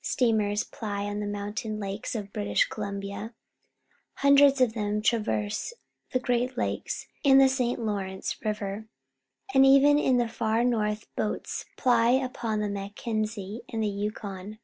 Steamers ply on the mountain lakes of British Colimabia; hundreds of them traverse the Great Lakes and the St. Lawrence River; and even in the far north boats ply upon the Mackenzie and the Yukon.